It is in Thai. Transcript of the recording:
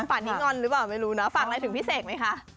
ป่านนี้งอนหรือเปล่าไม่รู้นะฝากอะไรถึงพี่เสกไหมคะ